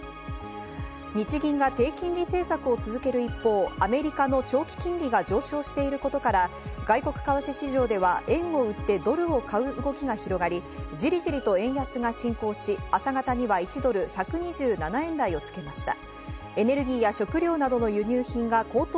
日銀が低金利政策を続ける一方、アメリカの長期金利が上昇していることから、外国為替市場では円を売ってドルを買う動きが広がり、ジリジリと円安が進行し、朝方には１ドル＝１２７円台をつけました。